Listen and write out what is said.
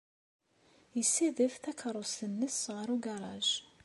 Yessadef takeṛṛust-nnes ɣer ugaṛaj.